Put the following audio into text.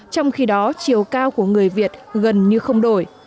trong khi đó chiều cao của người việt gần như không đổi